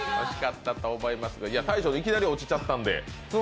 大昇君、いきなり落ちちゃったんで。